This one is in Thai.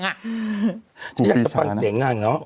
แล้วก็แโบบตัดแตะ